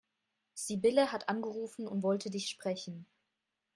Sibylle hat angerufen und wollte dich sprechen.